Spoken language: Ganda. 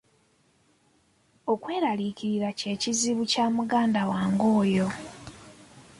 Okweraliikirira kye kizibu kya muganda wange oyo.